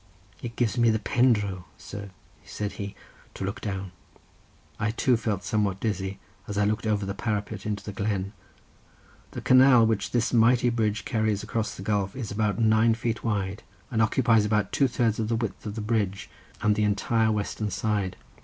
"It gives me the pendro, sir," said he, "to look down." I too felt somewhat dizzy, as I looked over the parapet into the glen. The canal which this mighty bridge carries across the gulf is about nine feet wide, and occupies about two thirds of the width of the bridge and the entire western side.